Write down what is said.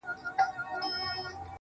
ژړېږه مه د لاسو مات بنگړي دې مه هېروه_